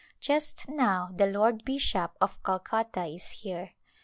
Just now the Lord Bishop of Calcutta is here.